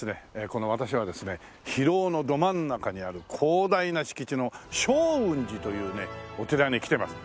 この私はですね広尾のど真ん中にある広大な敷地の祥雲寺というねお寺に来てます。